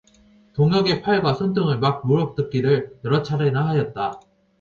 동혁의 팔과 손등을 막 물어뜯기를 여러 차례나 하였다.